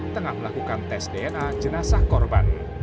tengah melakukan tes dna jenazah korban